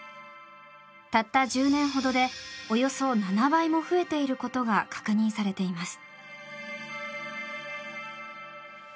たった１０年ほどでおよそ７倍も増えていることが確認されています。